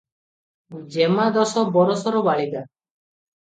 ଯେମା ଦଶ ବରଷର ବାଳିକା ।